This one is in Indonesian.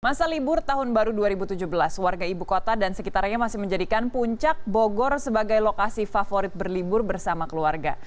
masa libur tahun baru dua ribu tujuh belas warga ibu kota dan sekitarnya masih menjadikan puncak bogor sebagai lokasi favorit berlibur bersama keluarga